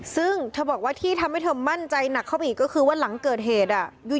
ซึ่งเธอบอกว่าที่ทำให้เธอมั่นใจหนักเข้าไปอีกก็คือว่าหลังเกิดเหตุ